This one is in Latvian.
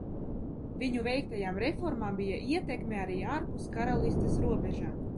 Viņu veiktajām reformām bija ietekme arī ārpus karalistes robežām.